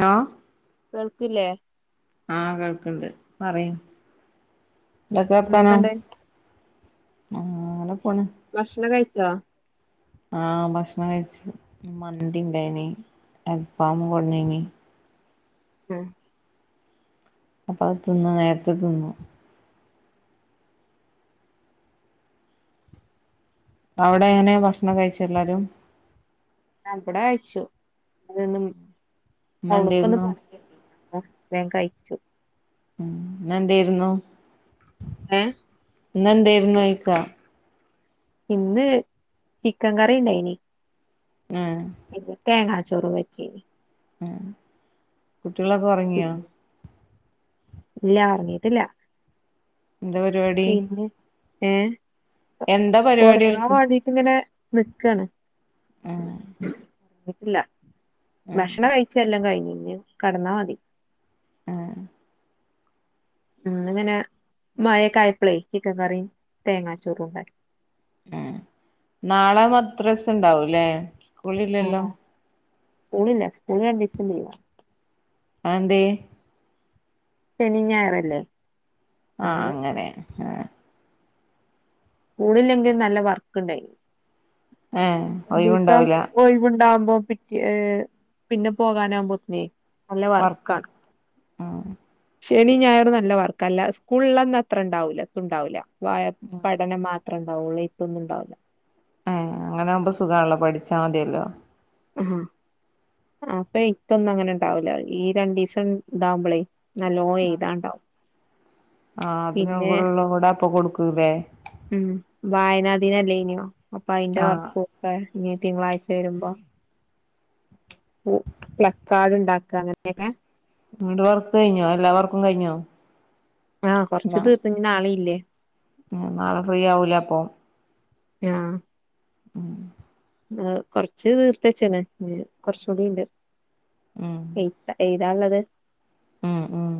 Law [unintelligible] ആഹ കേൾക്കണ്ട് പറയ് ഇതൊക്കെർത്താനം എന്തൊക്കെണ്ട് ആള ഭക്ഷണം കഴിച്ചോ ആ ഭക്ഷണം കഴച്ച് മന്തി ഉണ്ടായിന് അൽഫാാം കൊടഞ്ഞന് ഉം അപ്പൊ അത് തിന്ന നേരത്തെ തിന്നു അവിടെ എങ്ങനെയ ഭക്ഷണം കഴിച്ചു എല്ലാരും ഞാൻപ്പൂടെ അയച് അവക്കൊന്ന് ഇന്നെന്തേര്ന്നു [unintelligible] [inaudible] ഉം ന്നെന്തേയ്രുന്നു? ഏ? [unintelligible] ഇന്ന് ചിക്കൻ കറി ണ്ടായിനി. ആ തേങ്ങാച്ചോറും വെച്ചി. ഉം കുട്ട്യാളൊക്കെ ഓർങ്ങ്യോ ഇല്ല ഒർങ്ങീട്ടില്ല ന്തപരിവാടി ഏ എന്താ പരിവാട്യോൽക്ക് ഇങ്ങനെ നിക്കാണ് ആ ഇല്ല ഭക്ഷണ കഴിച്ചെല്ലാം കഴിഞ്ഞ് ഞ്ഞ് കടന്നാമതി ആ ഇന്ന്ങ്ങനെ മയേക്കായപളെ ചിക്കൻ കറിം തേങ്ങാച്ചോറുണ്ടാക്കി ഉം നാളെ മദ്രസ്സുണ്ടാവൂലേ കൂളില്ലല്ലോ സ്കൂളില്ല സ്കൂള് രണ്ടിസം ലീവാ ആന്തേ ശെനിഞ്ഞായറല്ലേ ആ അങ്ങനെ ഏ സ്കൂളില്ലങ്കിലും നല്ല വർക്ക്‌ ണ്ടെയ് ഏഹ് ഒരിസം ഒഴിവുണ്ടാവൂല ഒഴിവ്ണ്ടാവുമ്പം [unintelligible] പിന്നെ പോകാനാവുമ്പോത്തിന് വർക്ക് ആ ശെനി ഞായറും നല്ല വർക്കല്ല സ്കൂൾ ള്ളന്നത്രേ ണ്ടാവുലാ തുണ്ടാവൂല വായ പ്പട് ത്രെണ്ടാവുള്ളൂ ഇപ്പൊന്നുണ്ടാവൂല ആ അങ്ങനാവുമ്പം സുഖാണല്ലോ പഠിച്ചാ മതിയല്ലോ അഹാ അപ്പെ ഇപ്പൊന്നും അങ്ങനെണ്ടാവൂല ഈ രണ്ടിസം ഇതാവുമ്പളേ ന്നല്ലോ എയ്താണ്ടാവും ആ അതിനും കൂടെള്ളതുംകൂടെ അപ്പ കൊടുക്കും [unintelligible] വെ ഉം വായനാ ദിനല്ലേന്യോ അപ്പൊ അയിന്റെ ആഹ് വർക്കൊക്കെ [unintelligible] തിങ്കളാഴ്ച വരുമ്പം ഓ പ്ലകാഡ്ണ്ടാ ക്ക അങ്ങനെക്കെ ഇങ്ങട്ട് വർക്ക് കയിഞ്ഞോ എല്ലാ വർക്കും കയിഞ്ഞോ? ആഹ് കൊറച്ച് നാ തീർന്ന് ഇനി നാളെ ഇല്ലേ നാളെ ഫ്രീ ആവൂലെ അപ്പം ആ ഉം കൊറച്ച് തീർത്തച്ച്ണ്. കൊറച്ചൂടിണ്ട്. ഉം എയ്ത്ത എയ് താൻ ഇള്ളത്. ഉം ഉം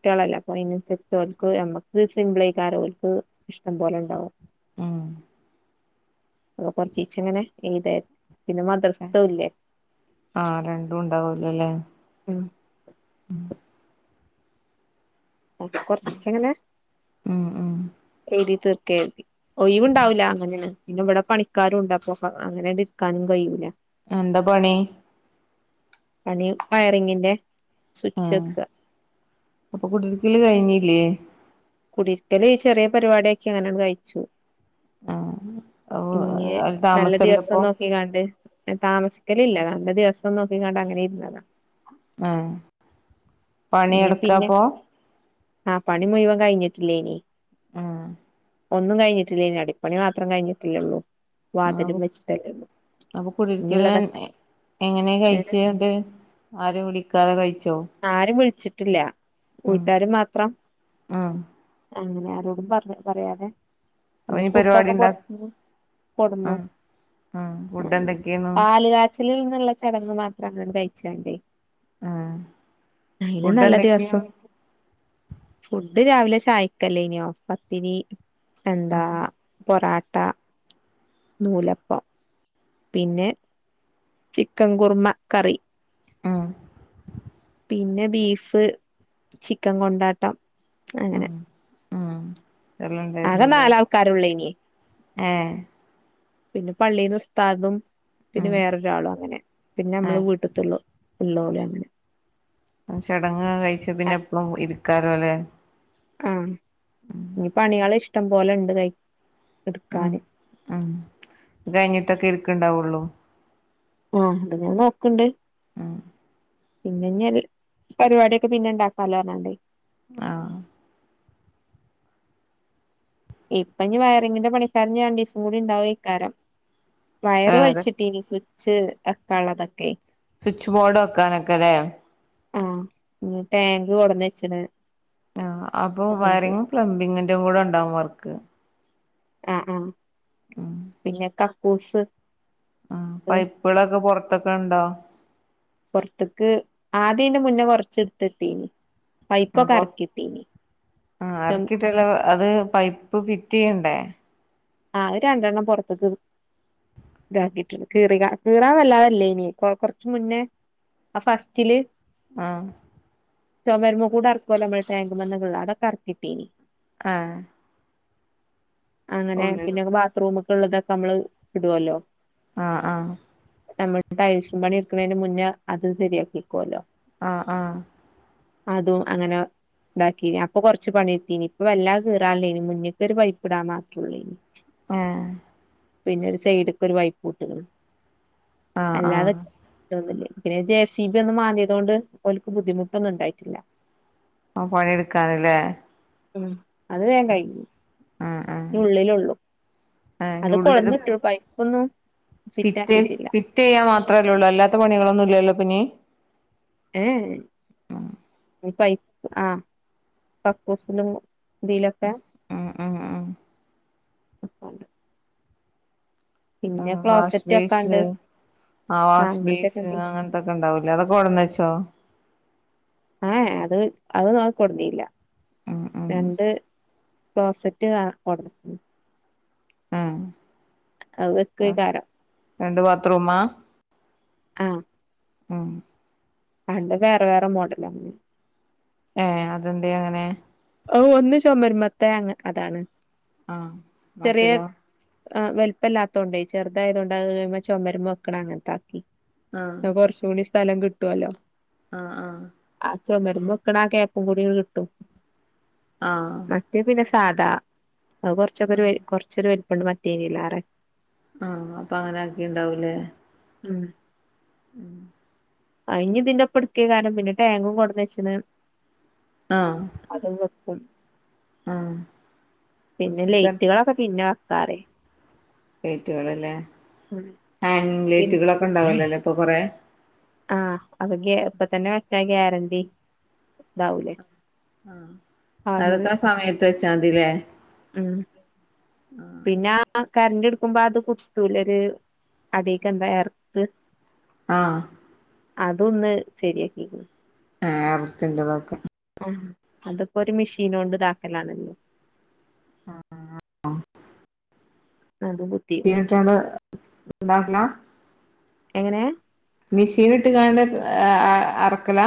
കുട്ട്യേളല്ലേ അപ്പൊ അയിനനുസരിച്ച് ഓൽക്ക് ഞമ്മക്ക് സിമ്പിള് [unintelligible] ഓൽക്ക് ഇഷ്ട്ടംപോലെ ഇണ്ടാവും. ഉം അപ്പം കൊറച്ചീച്ചെ ഇങ്ങനെ എഴുതേ പിന്നെ മദ്രസ്ഥതും ഇല്ലേ ആഹ് രണ്ടും [unintelligible] ഉം [unintelligible] കൊറച്ചങ്ങനെ ഉം ഉം എഴുതി തീർ [unintelligible] ഒയിവുണ്ടാവില്ല [unintelligible] പിന്നെ ഇവിടെ പണിക്കാരും ഉണ്ട് അപ്പൊ അങ്ങനാണ്ട് ഇരിക്കാനും കയ്യൂല ഉം എന്താ പണി? പണി വയറിങ്ങിന്റെ സുച്ച് ആഹ് വെക്കാ അപ്പൊ കുടിയിരിക്കല് കഴിഞ്ഞില്ലേ? കുടിയിരിക്കല് ചെറിയ പരിപാടിയാക്കി അങ്ങനെയങ്ങ് കഴിച്ചു. ആഹ് പിന്നെ അവ് നല്ല ദിവസം താമസല്ലപ്പൊ നോക്കിക്കാണ്ട് താമസ നിക്കലില്ല നല്ല ദിവസം നോക്കിക്കാണ്ട് അങ്ങനെ ഇരുന്നാതാ ആഹ് പണി ഇനി പിന്നെ എടുക്കാപ്പോ? ആ പണിമുയുവൻ കയിഞ്ഞ്ട്ടില്ലേനി ആഹ് ഒന്നും കഴിഞ്ഞിട്ടില്ലേനി അടിപ്പണി മാത്രം കഴിഞ്ഞിട്ട്യള്ളൂ ആവു അപ്പൊ കുടിൽക്കൽ ഇഞ്ഞുള്ളതൊക്കെ എങ്ങ് എങ്ങനേ ഏ കഴിച്ചെ ന്നിട്ട് ആരേം വിളിക്കാതെ കഴിച്ചോ ആരും വിശച്ച് ട്ടില്ല ഉം വീട്ടാര് മാത്രം ഉം അങ്ങനെ ആരോടും പറ് പറ്യാതെ അപ്പൊ പിന്നെ ഇനി പരിപാടി ഫുഡൊക്കെ ഇണ്ടാ പൊറ്ത്ത്ന്ന് കോട്ന്നു. ഉം ഉം ഫുഡ് എന്തൊക്കെയാന്നു പാല് കാച്ചല്ന്ന്ള്ള ചടങ്ങ് മാത്രാണ് ഇവ്ട്ന്ന് കഴിക ച്ചാണ്ടേ ആഹ് അയിന് നല്ല ദിവസം ഫു ഡ് രാവിലെ ചായ്ക്കല്ലേന്യോ പത്തിരി എന്താ ഉം പൊറാ നൂലപ്പം പിന്നെ ചിക്കൻ കുർമ്മ കറി ആ പിന്നെ ബീഫ് ചിക്കൻ കൊണ്ടാട്ടം അങ്ങനെ ആ ആകെ നാലാൾക്കാരൊള്ളോനി ഏ പിന്നെ പള്ളീന്ന് ഉസ്താദും പിന്നെ ഉം വേറൊരാളു അങ്ങനെ പിന്നെ നമ്മള് ഏഹ് വീട്ടത്തുള്ളു ഉള്ളോല് അങ്ങനെ ചടങ്ങ് കഴിച്ച പിന്നെ എപ്പളും [unintelligible] ആഹ് ഇനി പണികള് ഇഷ് ടം പോലെ ഉണ്ട് കൈ ഉം എടുക്കാന് ഉം ഇത് കഴിഞ്ഞി ട്ടൊക്കെ ഇരിക്കണ്ടാവുള്ളൂ ആഹ് അത്ങ്ങെനെ നോക്ണ്ട് ഉം പിന്നെ ഇഞ് പരിപാടിയൊക്കെ പിന്നെ ഇണ്ടാക്കാലോ പറഞ്ഞാണ്ടേ ആഹ് അ ഇപ്പഞ്ഞ് വയറിങ്ങിന്റെ പണിക്കാരൻ രണ്ടീസം കൂടി ഉണ്ടാവേക്കാരം വയർ ഏഹ് വലിച്ചിട്ടീനി സ്വിച്ച് വെക്കാൻ ഇള്ളതൊക്കെ സ്വിച്ച് ബോർഡ് വക്കാനൊക്ക ലേ ഊം ഇഞ് ടാങ്ക് കൊടന്ന് ച്ച് ണ് ആ അപ്പൊ വയറിങ്ങും പ്ലംബിങ്ങിന്റെ ഉം കൂടെ ഉണ്ടാവും വർക്ക് ആ ആ പിന്നെ ക ക്കൂസ് ആ പൈപ്പുകളൊക്ക പൊർ ത്തൊക്കൊണ്ടോ പൊറത്ത്ക്ക് ആദ്യേന്റെ മുന്നേ കൊറച്ച് എടുത്തിട്ടിനി അപ്പൊ ആ അറക്കിട്ടല്ല അത് പൈപ്പ് ഫി റ്റീയണ്ടേ ആ ആത് രണ്ടെണ്ണം പൊറത്ത്ക്ക് ഇതാക്കിട്ടുണ്ട് കീറിക കീറാൻ വല്ലാതല്ലേനി കൊ കൊറച്ച് മുന്നേ ആ ഫസ്റ്റില് ആഹ [unintelligible] ആഹ അങ്ങനെ പിന്നെ ബാത്റൂമ് ഉള്ളതക്ക നമ്മള് ഇടുവല്ലോ ആഹ ആഹ [unintelligible] നമ്മു ടൈൽസ് പണി എടുക്കുന്നതിന് മുന്നേ അത് ശരിയാക്കിക്കുവല്ലോ ആഹ ആഹ അതും അങ്ങന ഇതാക്കി അപ്പൊ കൊറച്ച് പണി ഇട്ടിനി ഇപ്പൊ വല്ലാക് കല്ലി ഇനി മുന്നേക്ക ഒരു പൈപ്പ് ഇടാൻ മാത്രുള്ളൂ ഇനി ആഹ പിന്നൊരു സൈഡ്ക്കൊരു പൈപ്പുട്ട്ക്കണ് ആഹ് അല്ലാതെ ആഹ് തോന്നില്ലേ പിന്നെ ജെ സി ബി ഒന്ന് മാന്തീതോണ്ട് ഓല്ക്ക് ബുദ്ധിമുട്ടൊന്നും ഉണ്ടായിട്ടില്ല ആ പണിയെടുക്കാനല്ലേ ഉം അത് വേഗം കഴിഞ്ഞു ഉള്ളിലുള്ളു ആ നുള്ളില് പൈപ്പൊന്നും ഫിറ്റ് ഫിറ്റേ ആക്കിയിട്ടില്ല ഫിറ്റെയ്യാൻ മാത്രല്ലേള്ളൂ അല്ലാത്ത പണികളൊന്നും ലല്ലോ പിന്നെ പൈ ആഹ കക്കൂസിലും ഇതിലൊക്കെ ആഹ ആഹ് ആഹ് ഉപ്പണ്ട് ആ വാഷ് വെക്കാണ്ട് ബേസ് ആ വാഷ് ബേസ് ആ അങ്ങനത്തക്ക ഒണ്ടാവൂലേ അതൊക്ക കൊണ്ടന്ന് വച്ചോ ഏ അത് അത് ന കൊടുന്നീല ആ ആ ക്ലോസറ്റ് ആ കൊട ആഹ ആ വെക്കേക്കാരം രണ്ട് ബാത്ത്റൂമാ ഉം [unintelligible] അണ്ട് വേറെ വേറെ മോഡല ഏ അതെന്ത അങ്ങനെ ഒന്ന് ച വരുമ്പത്തെേ അ അതാണ് ആഹ മറ്റതോ ആ വലുപ്പമല്ലാത്തതണ്ടേ ചെറുതായതത്ൊണ്ട് കഴിയുമ്പ ചുമരുമ്പ വെക്കണം അങ്ങനത്ത ആാക്കി ആ കുറച്ച് കൂടി സ്ഥലം കിട്ടുവല്ലോ ആ ആ മര വെക്കണ കേപ്പും കൂടി കിട്ടും ആ മറ്റേ പിന്നെ സാധാ കൊച്ച വ കുറച്ചൊരു വ അപ്പണ്ട് മാ [unintelligible] ആ അപ്പൊ അങ്ങനെ ആക്കി ഉണ്ടാവൂലേ ഉം ഉം അ ഇനി ഇതിന്റെപ്പടുക്ക കാരണം പിന്നെ ടാങ്കും കൊടന്ന്ച്ചന്ന് ആ അത് [unintelligible] ആ പിന്നെ ഇനിപ്പ ലൈറ്റുകളൊക്കെ പിന്നെ [unintelligible] കയറ്റോളല്ലേ ഹാൻ്ലെറ്റുകളൊക്കെ ഉണ്ടാവലല്ലോ പപ്പ കുറ ആ അതൊക്കെ അ ഇപ്പ തന്നെ വെച്ചാ ഗ്യാരണ്ടി ഇതാവൂലേ ആ ആന്ന് അതൊക്കെ സമയത്ത് വ ചാന്തില ഉം പിന്നെ കറണ്ട് എടുക്കുമ്പോ അത് കുത്തൂല ഒരു അടക്കെ എന്താ ചർത്ത് ആ അതൊന്ന് ശരിയാക്കിരിക്കുന്നു ആ എറത്തിററെതൊക്കെ ആ അതപ്പോ ഒരു മെഷീൻ കൊണ്ട് താക്കലാണല്ലോ [unintelligible] ന്താക്കലാം എങ്ങനെയാ മെഷീൻ ഇട്ട് കണ്ട അറക്കല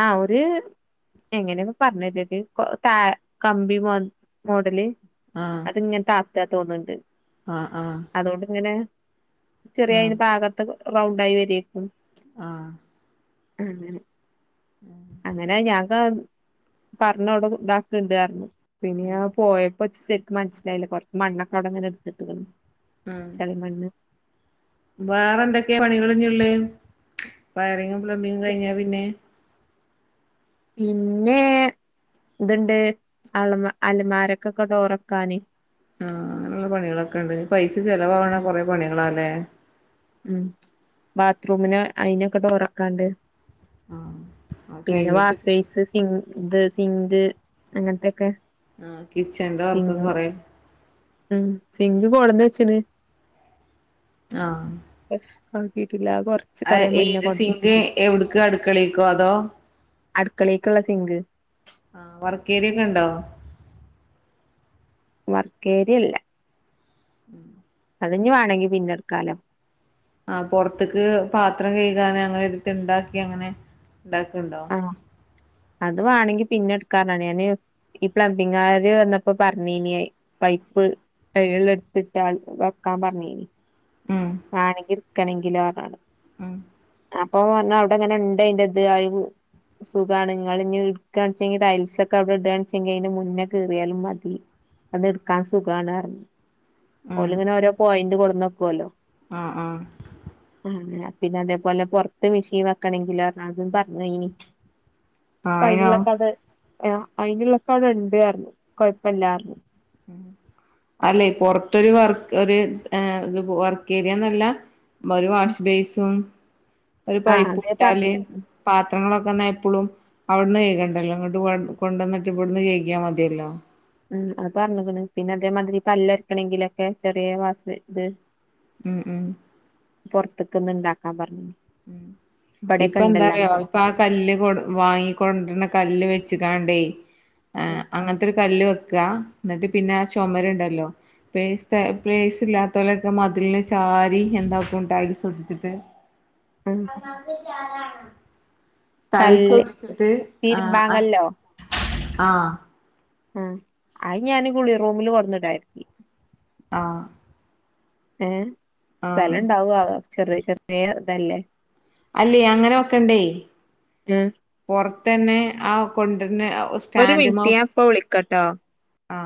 ആ ഒരു എങ്ങനെയൊക്കെ പറഞ്ഞല് ഒരു ത കമ്പി മോഡല് ആഹ് അത്ങ് ന്ത ആ [unintelligible] ആഹ് ആഹ് അതോണ്ട്ങ്ങനെ ആഹ് ചെറിയ ഭാഗത്ത് റൗണ്ടായി വരേര്ക്കും ആഹ അങ്ങനെ [inaudible] അങ്ങനെ ഞാൻ പറഞ്ഞു ഇത് ആക്കിയിട്ടുണ്ട് പിന്നെ പോയ [unintelligible] മനസിലായില്ല [unintelligible] ഉം ചളി മണ്ണ് വേറെ എന്തൊക്കെയാ പണികളിഞ്ഞ്ള്ള് വരയും [unintelligible] പിന്നെ ഇത്ണ്ട് അലമാരൊക്കെ ഡോറെക്കാൻ ആഹ് അങ്ങനെയുള്ള പണികളൊക്കെ ഉണ്ട് പൈസ ചിലവാവണ കുറെ പണികളാലേ ഉ ഉം ബാത്റൂമിന് അയിനൊക്കെ ഡോറെക്കാണ്ട് ആഹ് അത് പിന്നെ കഴിഞ്ഞിട്ട് വാഷ്ബേസിയൻ സിങ്ക് സിങ്ക് അങ്ങനെത്തെ ഒക്കെ ആഹ കിച്ചൻന്റെ വർക്ക് കൊറേ ഉം [unintelligible] ആഹ [inaudible] കൊറച്ച് കൊറേ മുന്നേ ഏത് കൊടന്ന് സിങ്ക് എവിട്ക്ക് അടുക്കളേക്കോ അതോ അടുക്കളേക്കുള്ള സിങ്ക് ആ വർക്കേര്യേല്ണ്ടോ വർക്കേരിയല്ല [inaudible] അതിഞ്ഞു വാണങ്കി പിന്നെട്ക്കാലൊ ആ പൊറത്ത്ക്ക് പാത്രം കഴുകാൻ ഉണ്ടാക്കി അങ്ങനെ ഉൺണ്ടാക്ക്ണ്ടോ ആഹ് അത് വാണെങ്കി പിന്നെ എട്ക്കാനാണ് ഞാന് ഈ പ്ലംബിംഗാര് വന്നപ്പോ പറഞ്ഞീനി പൈപ്പ് എടുത്തിട്ടാൽ വെക്കാൻ പറഞ്ഞീനി ആണങ്കിൽ [unintelligible] ഉ അപ്പൊ പറഞ്ഞു അവിടെങ്ങനെ ഇണ്ട് അതിന്റെത് അത് സുഖണ് ഇങ്ങളിഞ്ഞ് ട്ക്കാണ്ചെങ്കി ടൈൽസ ഒക്കെ അവിടെ ഇടുകെച്ചെങ്കി അയ്ന്റെ മുന്നേ കീറിയാലും മതി അന്ന് എടുക്കാൻ സുഖമാണ് പറഞ്ഞു ഓല്ങ്ങനോരോ പോയി [unintelligible] ഇത് ആക്കുവല്ലോ ആഹ ആ ആ പിന്നെ അതേപോലെ പുറത്തു മിഷീൻ വെക്കണമെങ്കിലും അതും പറഞ്ഞു ഇനി അയിനോ പൈനുള്ള കഥ ആ അയിനുള്ളക്കെ അവിടെഉണ്ട് ന്നു കൊഴപ്പില്ലായിരുന്നു അല്ലെ പൊറത്തൊരു വർ ഒരു ഇ വർക്ക്ഏരിയന്നല്ല ഒരു വാഷ് ബേസും ഒരു ആഹ് അതേ പൈപ്പൂട്ടാല് പർഞ്ഞു പ ങ്ങളൊക്കെ എന്നാൽ എപ്പോഴും അവിടുന്ന് കേൾക്കേണ്ടല്ലോ ഇങ്ങോട്ട് കൊണ്ടുവന്നിട്ട് ഇവിടുന്ന് [unintelligible] മതിയല്ലോ ഉം അത് പറഞ്ഞണ് പിന്നെ അതേമാതിരി പല്ലരക്കണെങ്കിലൊക്കെ ചെറിയ വാസ ഇത് ഉം ഉം പുറത്തക്കന്ന് ഇണ്ടാക്കാൻ പറഞ്ഞ ഉ ഇപ്പൊ എന്താ റയോ ഇപ്പ ആ കല്ല് കൊ വാങ്ങിക്കൊണ്ടിരുന്ന കല്ല് വെ വച്ച് കാണ്ടേ ആ അങ്ങനത്തൊരു കല്ല് കൊ ക്ക എന്നിട്ട് പിന്നെ ചുമര് ഉണ്ടല്ലോ പേസ് പ്ലേസ് ഇല്ലാത്ത പോലൊക്കെ മതില് ചാരി ക്കുന്ന ഫോ ടൈൽസ് വച്ചിട്ട് ഉം അതിനാത്തി ചാരാന് ടൈൽസ് കല്ല് ഒട്ടിച്ചിട്ട് ആ തിരുമ്പാൻ ആ കല്ലോ ആ ആ അത് ഞാൻ കുളി റൂമില് വന്നിട്ടായിരിക്ക ആ ഏ സ്ഥലണ്ടാവ ആവ ചെറിയ ചെറിയ ഇതല്ലേ അല്ലേ അങ്ങനൊക്കെണ്ടേ ഏഹ് പുറ തന്നെ ആ കൊണ്ട് ഒരു മിനിറ്റ് ഞാ അപ്പൊ വിളിക്കാട്ടോ ആ